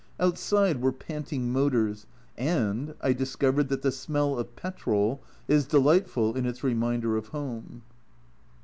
Outside were panting motors, and I discovered that the smell of petrol is delightful in its reminder of home